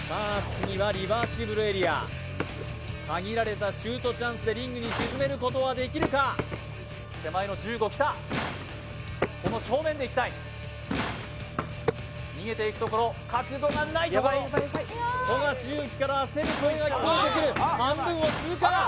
次はリバーシブルエリア限られたシュートチャンスでリングに沈めることはできるか手前の１５きたこの正面でいきたい逃げていくところ角度がないところ富樫勇樹から焦る声が聞こえてくる半分を通過